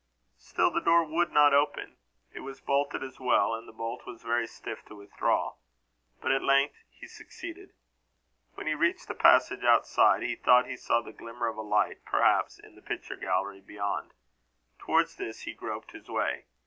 Still the door would not open: it was bolted as well, and the bolt was very stiff to withdraw. But at length he succeeded. When he reached the passage outside, he thought he saw the glimmer of a light, perhaps in the picture gallery beyond. Towards this he groped his way.